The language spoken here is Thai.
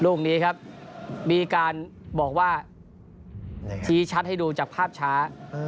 ลูกนี้ครับมีการบอกว่าชี้ชัดให้ดูจากภาพช้า